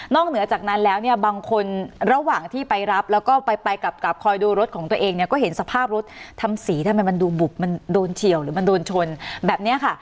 เหนือจากนั้นแล้วเนี่ยบางคนระหว่างที่ไปรับแล้วก็ไปกลับกลับคอยดูรถของตัวเองเนี่ยก็เห็นสภาพรถทำสีทำไมมันดูบุบมันโดนเฉียวหรือมันโดนชนแบบนี้ค่ะ